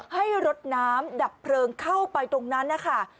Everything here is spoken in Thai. ให้รถน้ำดับเพลิงเข้าไปตรงนั้นนะคะ